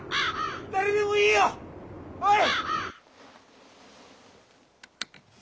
誰でもいいよ！おい！